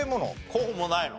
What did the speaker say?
候補もないの？